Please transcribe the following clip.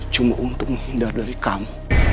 cuma untuk menghindar dari kamu